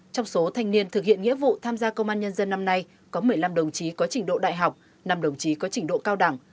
trong số thanh niên thực hiện nghĩa vụ tham gia công an nhân dân năm nay có một mươi năm đồng chí có trình độ đại học năm đồng chí có trình độ cao đẳng